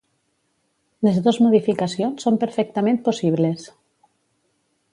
Les dos modificacions són perfectament possibles.